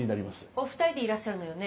お２人でいらっしゃるのよね？